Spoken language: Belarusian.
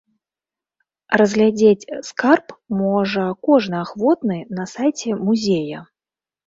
Разглядзець скарб можа кожны ахвотны на сайце музея.